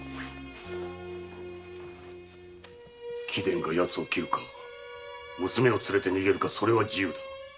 貴殿がヤツを斬るか娘を連れて逃げるかそれは自由だ。